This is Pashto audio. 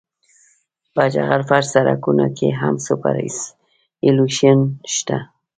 په جغل فرش سرکونو کې هم سوپرایلیویشن شته